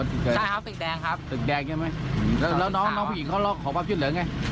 ตึกแดงใช่ไหมแล้วน้องผู้หญิงเขาหลอกขอบภาพยุทธเหลืองไง